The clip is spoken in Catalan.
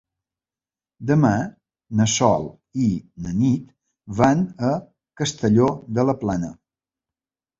Demà na Sol i na Nit van a Castelló de la Plana.